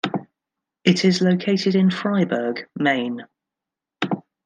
It is located in Fryeburg, Maine.